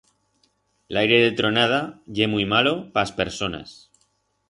L'aire de tronada ye muit malo pa as personas.